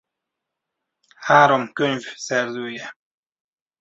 Három könyv szerzője.